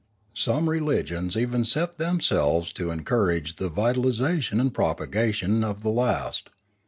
Some religions even set them selves to encourage the vitalisation and propagation of the last.